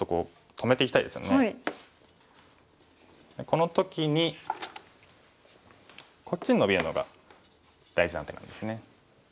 この時にこっちにノビるのが大事な手なんですね。